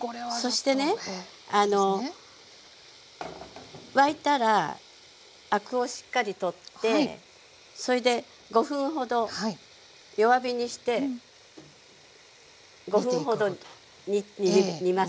そしてねあの沸いたらアクをしっかり取ってそいで５分ほど弱火にして５分程煮ます。